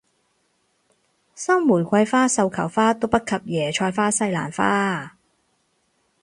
收玫瑰花繡球花都不及椰菜花西蘭花